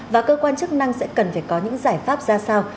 và cơ quan chức năng sẽ cần phải có những giải pháp ra sao